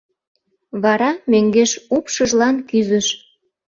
Вара мӧҥгеш упшыжлан кӱзыш.